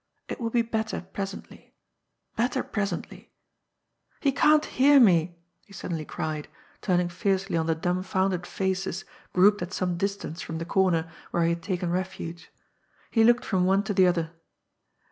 " It will be better presently — ^better presently. He can't hear me !" he suddenly cried, turning fiercely on the dumfounded faces grouped at some distance from the comer where he had taken refuge. He looked from one to the other.